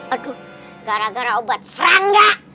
aduh gara gara obat serangga